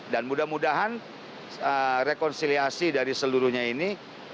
dan mudah mudahan rekonsiliasi dari seluruhnya ini